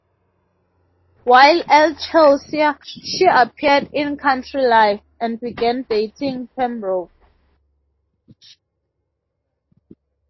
While at Chelsea, she appeared in "Country Life" and began dating Pembroke.